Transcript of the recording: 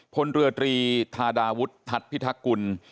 พลเรือตรีธาดาวุฒิทัศน์พิทักกุล